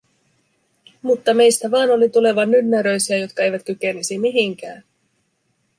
Mutta meistä vaan oli tuleva nynneröisiä, jotka eivät kykenisi mihinkään.